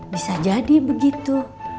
bisa jadi begitu